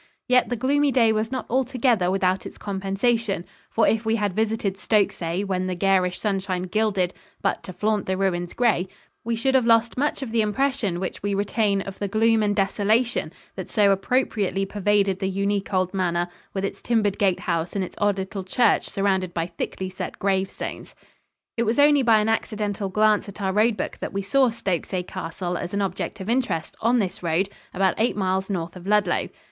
Yet the gloomy day was not altogether without its compensation, for if we had visited Stokesay when the garish sunshine gilded "but to flaunt the ruins gray," we should have lost much of the impression which we retain of the gloom and desolation that so appropriately pervaded the unique old manor with its timbered gatehouse and its odd little church surrounded by thickly set gravestones. [Illustration: STOKESAY MANOR HOUSE, NEAR LUDLOW.] It was only by an accidental glance at our road book that we saw Stokesay Castle as an "object of interest" on this road about eight miles north of Ludlow.